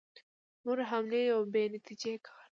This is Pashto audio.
نورې حملې یو بې نتیجې کار دی.